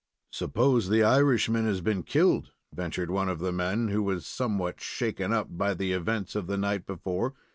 "Suppose the Irishman has been killed?" ventured one of the men, who was somewhat shaken up by the events of the night before.